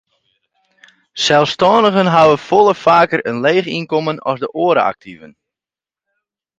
Selsstannigen hawwe folle faker in leech ynkommen as de oare aktiven.